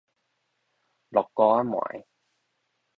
漉糊仔糜